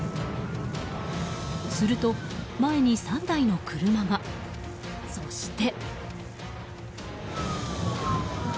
すると、前に３台の車がそして。